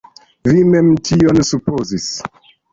Vi mem tion supozis.